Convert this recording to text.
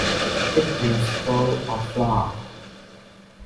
It means pearl or flower.